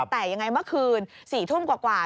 แต่ยังไงเมื่อคืน๔ทุ่มกว่า